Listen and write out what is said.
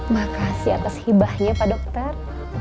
makasih atas hibahnya pak dokter